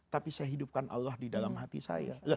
tapi saya hidupkan allah di dalam hati saya